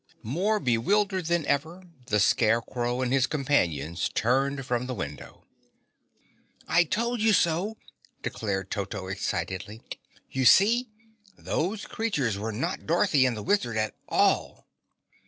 More bewildered than ever, the Scarecrow and his companions turned from the window. "I told you so!" declared Toto excitedly. "You see those creatures were not Dorothy and the Wizard at all."